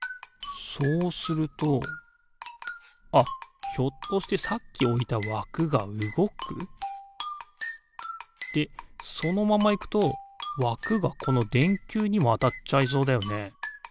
そうするとあっひょっとしてさっきおいたわくがうごく？でそのままいくとわくがこのでんきゅうにもあたっちゃいそうだよね。